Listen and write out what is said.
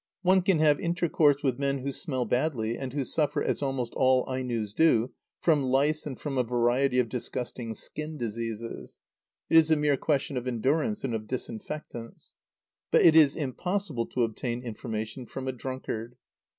One can have intercourse with men who smell badly, and who suffer, as almost all Ainos do, from lice and from a variety of disgusting skin diseases. It is a mere question of endurance and of disinfectants. But it is impossible to obtain information from a drunkard.